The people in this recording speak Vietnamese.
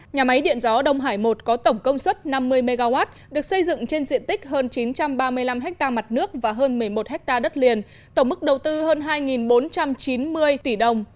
nhà máy điện gió đông hải một có tổng công suất năm mươi mw được xây dựng trên diện tích hơn chín trăm ba mươi năm ha mặt nước và hơn một mươi một ha đất liền tổng mức đầu tư hơn hai bốn trăm chín mươi tỷ đồng